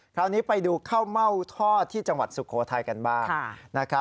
คราวนี้ไปดูข้าวเม่าทอดที่จังหวัดสุโขทัยกันบ้าง